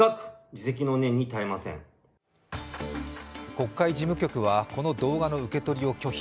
国会事務局は、この動画の受け取りを拒否。